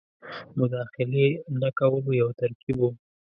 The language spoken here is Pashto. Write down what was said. مداخلې نه کولو یو ترکیب وو.